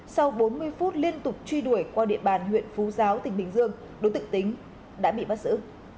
sau bốn mươi phút liên tục truy đuổi qua địa bàn huyện phú giáo tỉnh bình dương đối tượng tính đã bị bắt giữ